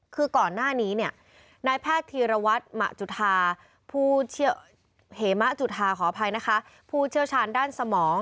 คือก่อนหน้านี้นายแพทย์ธีรวัติเหมะจุธาผู้เชี่ยวชาญด้านสมอง